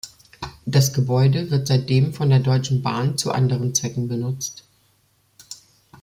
Das Gebäude wird seitdem von der Deutschen Bahn zu anderen Zwecken benutzt.